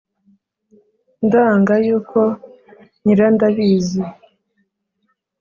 Ndanga yuko nyirandabizi